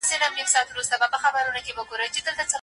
د خپلي ميرمني سره خيانت کوونکی به سنګساريږي.